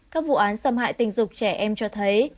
các vụ án xâm hại tình dục trẻ em cho thấy